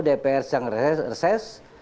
dpr yang reses